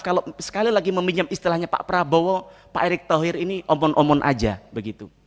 kalau sekali lagi meminjam istilahnya pak prabowo pak erick thohir ini omon omon aja begitu